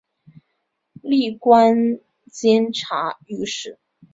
历官监察御史。